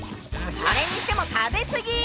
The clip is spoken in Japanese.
それにしても食べ過ぎ！